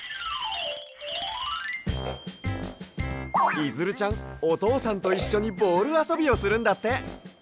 いづるちゃんおとうさんといっしょにボールあそびをするんだって。